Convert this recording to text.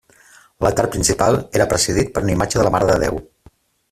L'altar principal era presidit per una imatge de la Mare de Déu.